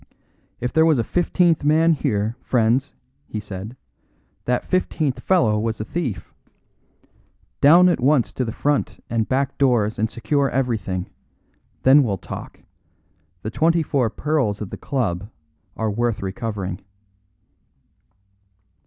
"If there was a fifteenth man here, friends," he said, "that fifteenth fellow was a thief. Down at once to the front and back doors and secure everything; then we'll talk. The twenty four pearls of the club are worth recovering."